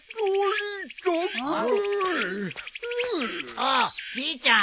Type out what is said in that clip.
あっじいちゃん